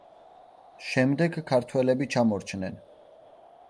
შემდეგ ქართველები ჩამორჩნენ.